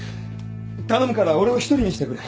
頼むから俺を一人にしてくれ。